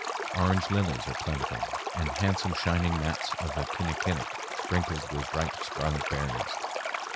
Orange lilies are plentiful, and handsome shining mats of the kinnikinic, sprinkled with bright scarlet berries.